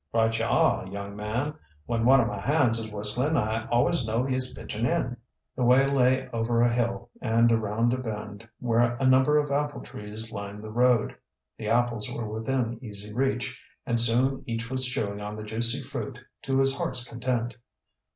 "Right you are, young man. When one of my hands is whistling I always know he is pitchin' in." The way lay over a hill and around a bend where a number of apple trees lined the road. The apples were within easy reach, and soon each was chewing on the juicy fruit to his heart's content.